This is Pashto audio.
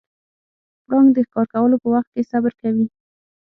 پړانګ د ښکار کولو په وخت کې صبر کوي.